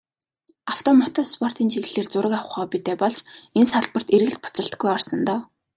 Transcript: Авто, мото спортын чиглэлээр зураг авах хоббитой болж, энэ салбарт эргэлт буцалтгүй орсон доо.